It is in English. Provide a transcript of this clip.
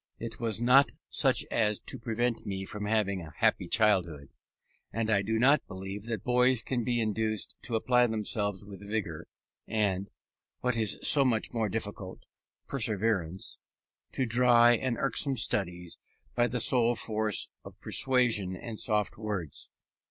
It was not such as to prevent me from having a happy childhood. And I do not believe that boys can be induced to apply themselves with vigour, and what is so much more difficult perseverance, to dry and irksome studies, by the sole force of persuasion and soft words.